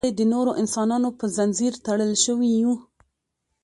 موږ ولې د نورو انسانانو پر زنځیر تړل شوي یو.